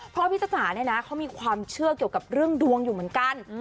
เพราะพี่จ๋าเนี่ยนะเขามีความเชื่อเกี่ยวกับเรื่องดวงอยู่เหมือนกัน